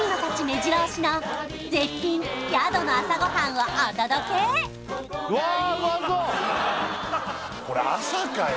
めじろ押しの絶品宿の朝ごはんをお届け！わ！